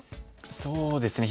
そうですね